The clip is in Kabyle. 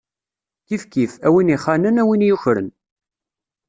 Kifkif, a win ixanen, a win yukren.